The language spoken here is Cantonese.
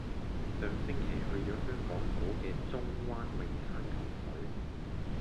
上星期去咗香港島嘅中灣泳灘游水。